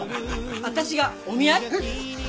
私がお見合い？